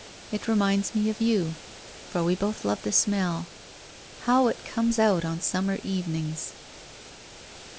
It reminds me of you, for we both love the smell. How it comes out on summer evenings